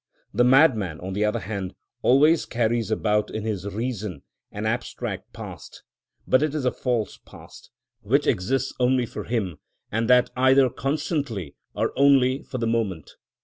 The madman, on the other hand, always carries about in his reason an abstract past, but it is a false past, which exists only for him, and that either constantly, or only for the moment.